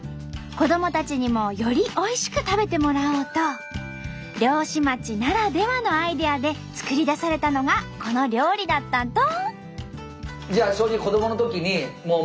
子どもたちにもよりおいしく食べてもらおうと漁師町ならではのアイデアで作り出されたのがこの料理だったんと！